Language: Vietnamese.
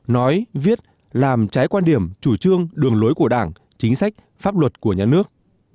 nói viết làm trái quan điểm chủ trương đường lối của đảng chính sách pháp luật của nhà nước